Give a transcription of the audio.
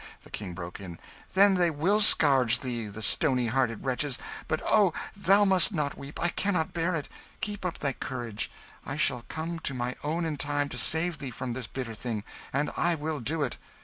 the King broke in. "Then they will scourge thee, the stony hearted wretches! But oh, thou must not weep, I cannot bear it. Keep up thy courage I shall come to my own in time to save thee from this bitter thing, and I will do it!"